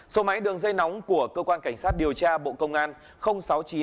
số máy đường dây nóng của cơ quan cảnh sát điều tra bộ công an sáu mươi chín